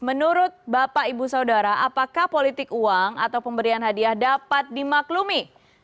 menurut bapak ibu saudara apakah politik uang atau pemberian hadiah dapat dimaklumi